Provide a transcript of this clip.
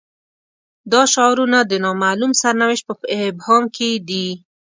دا شعارونه د نا معلوم سرنوشت په ابهام کې دي.